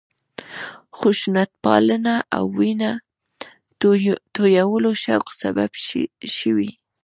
خشونتپالنه او وینه تویولو شوق سبب شوی.